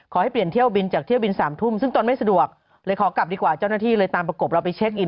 ขอให้เปลี่ยนเที่ยวบินจากเที่ยวบิน๓ทุ่มซึ่งตนไม่สะดวกเลยขอกลับดีกว่าเจ้าหน้าที่เลยตามประกบเราไปเช็คอิน